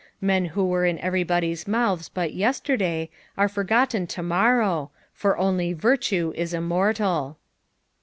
Hen who were in everybody's mouths but yestetdaj are for gotten to morrow, for only virtue is immortal.